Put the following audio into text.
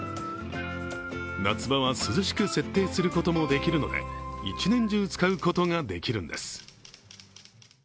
夏場は涼しく設定することもできるので一年中使うことができるんです。